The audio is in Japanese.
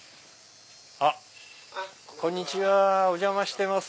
こんにちはお邪魔してます。